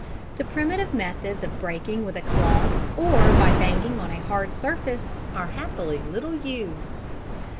The primitive methods of breaking with a club or by banging on a hard surface are happily little used.